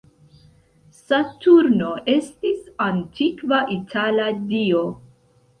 Saturno estis antikva itala dio.